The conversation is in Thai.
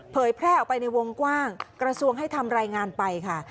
แพร่ออกไปในวงกว้างกระทรวงให้ทำรายงานไปค่ะ